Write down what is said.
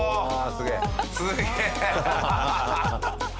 すげえ！